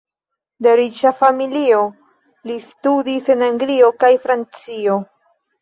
De riĉa familio, li studis en Anglio kaj Francio.